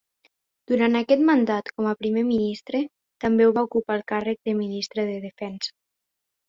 Durant aquest mandat com a primer ministre, també va ocupar el càrrec de ministre de Defensa.